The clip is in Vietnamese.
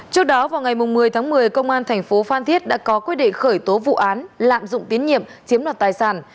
trước đó vào ngày một mươi tháng một mươi công an thành phố phan thiết đã có quyết định khởi tố vụ án lạm dụng tín nhiệm chiếm đoạt tài sản